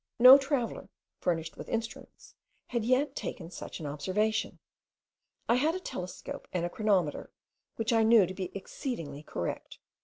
No traveller, furnished with instruments, had as yet taken such an observation. I had a telescope and a chronometer, which I knew to be exceedingly correct.